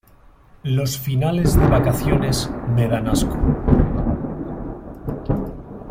Los finales de vacaciones me dan asco.